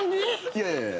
いやいや。